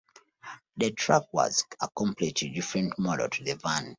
The truck was a completely different model to the van.